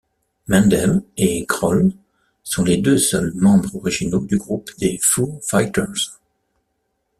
Mendel et Grohl sont les deux seuls membres originaux du groupe des Foo Fighters.